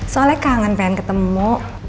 soalnya kangen pengen ketemu